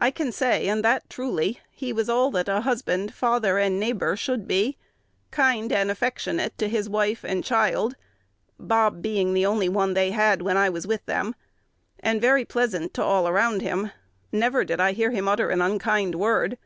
I can say, and that truly, he was all that a husband, father, and neighbor should be, kind and affectionate to his wife and child ('Bob' being the only one they had when I was with them), and very pleasant to all around him. Never did I hear him utter an unkind word.